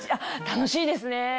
楽しいですね。